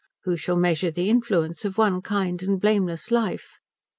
Who shall measure the influence of one kind and blameless life?